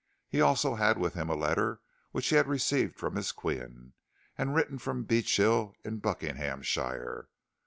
He also had with him a letter which he had received from Miss Qian, and written from Beechill in Buckinghamshire.